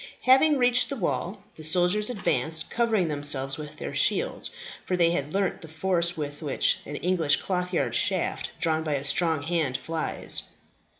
Having reached the wall, the soldiers advanced, covering themselves with their shields, for they had learnt the force with which an English clothyard shaft drawn by a strong hand flies.